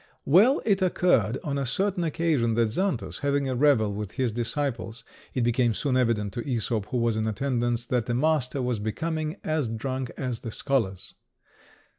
Well, it occurred on a certain occasion that Xantus, having a revel with his disciples, it became soon evident to Æsop, who was in attendance, that the master was becoming as drunk as the scholars.